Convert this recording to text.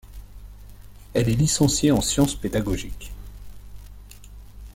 Elle est licenciée en sciences pédagogiques.